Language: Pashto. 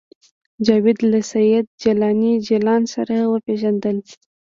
جاوید له سید جلاني جلان سره وپېژندل